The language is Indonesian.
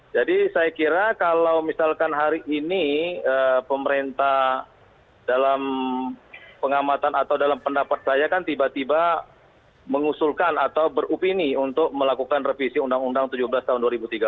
jadi saya kira kalau misalkan hari ini pemerintah dalam pengamatan atau dalam pendapat saya kan tiba tiba mengusulkan atau beropini untuk melakukan revisi undang undang tujuh belas tahun dua ribu tiga belas